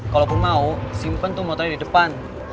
kalaupun mau simpen tuh motornya di depan